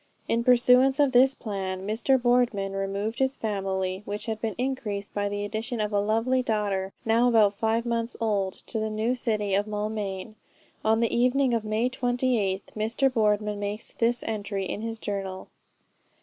In pursuance of this plan Mr. Boardman removed his family, which had been increased by the addition of a lovely daughter, now about five months old, to the new city of Maulmain. On the evening of May 28th Mr. Boardman makes this entry in his journal.